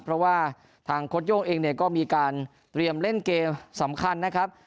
เพราะว่าทางโค้ดโย่งเองเนี่ยก็มีการเตรียมเล่นเกมสำคัญนะครับ